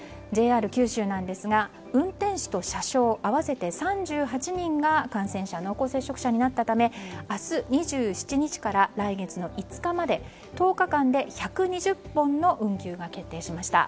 ＪＲ九州なんですが運転士と車掌合わせて３８人が感染者、濃厚接触者になったため明日２７日から来月の５日まで１０日間で１２０本の運休が決定しました。